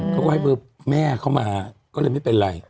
มันก็ให้แม่เข้ามาก็ไม่เป็นไร